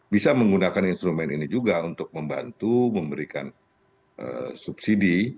bisa menggunakan instrumen ini juga untuk membantu memberikan subsidi